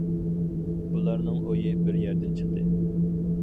بۇلارنىڭ ئويى بىر يەردىن چىقتى.